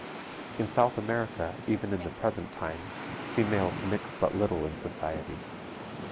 In South America, even in the present time, females mix but little in society.